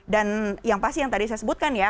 yang pasti yang tadi saya sebutkan ya